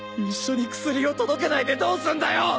一緒に薬を届けないでどうすんだよ！